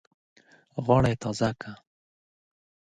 غاړه یې تازه کړه.